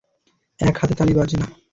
এক হাতে তালি বাজে না।